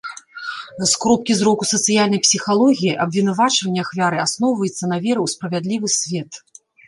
З кропкі зроку сацыяльнай псіхалогіі, абвінавачанне ахвяры асноўваецца на веры ў справядлівы свет.